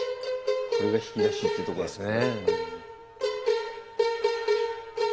これが弾き出しってとこですね。